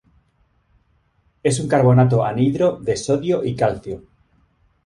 Es un carbonato anhidro de sodio y calcio.